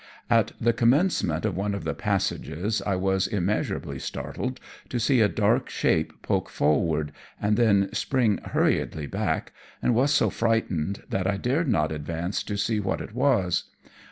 At the commencement of one of the passages I was immeasurably startled to see a dark shape poke forward, and then spring hurriedly back, and was so frightened that I dared not advance to see what it was.